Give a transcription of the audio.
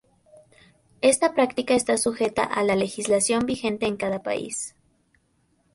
Esta práctica está sujeta a la legislación vigente en cada país.